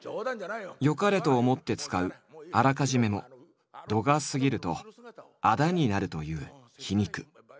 よかれと思って使う「あらかじめ」も度が過ぎるとあだになるという皮肉。